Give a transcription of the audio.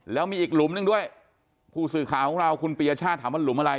แล้วมีอีกหลุมหนึ่งด้วยผู้สื่อข่าวของเราคุณปียชาติถามว่าหลุมอะไร